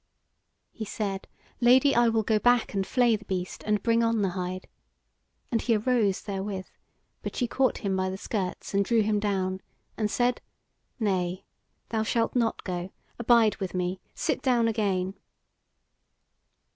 He said: "Lady, I will go back and flay the beast, and bring on the hide." And he arose therewith, but she caught him by the skirts and drew him down, and said: "Nay, thou shalt not go; abide with me. Sit down again."